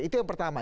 itu yang pertama